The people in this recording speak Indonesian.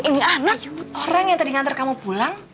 ini anak orang yang tadi ngantar kamu pulang